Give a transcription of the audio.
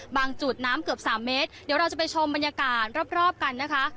จุดน้ำเกือบ๓เมตรเดี๋ยวเราจะไปชมบรรยากาศรอบกันนะคะ